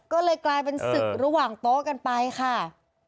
ก็เลยกลายเป็นศึกระหว่างโต๊ะกันไปค่ะ